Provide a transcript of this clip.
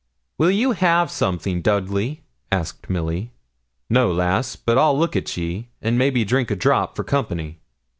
'Will you have something, Dudley?' asked Milly. 'No, lass; but I'll look at ye, and maybe drink a drop for company.'